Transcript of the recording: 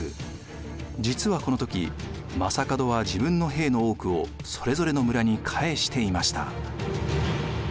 実はこの時将門は自分の兵の多くをそれぞれの村に返していました。